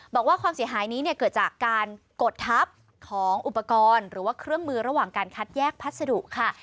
บอกว่าความเสียหายนี้เนี่ยเกิดจากการกดทับของอุปกรณ์หรือว่าเครื่องมือระหว่างการคัดแยกพัสดุค่ะ